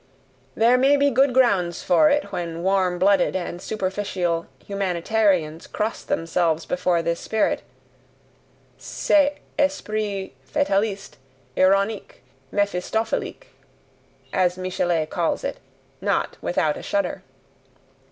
There may be good grounds for it when warm blooded and superficial humanitarians cross themselves before this spirit, CET ESPRIT FATALISTE, IRONIQUE, MEPHISTOPHELIQUE, as Michelet calls it, not without a shudder.